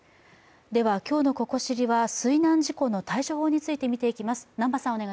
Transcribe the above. では今日の「ココ知り」は水難事故の対処法について見ていきます。